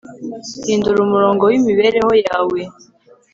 hindura umurongo w'imibereho yawe